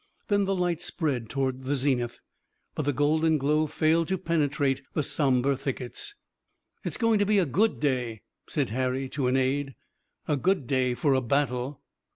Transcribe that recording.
Then the light spread toward the zenith, but the golden glow failed to penetrate the somber thickets. "It's going to be a good day," said Harry to an aide. "A good day for a battle."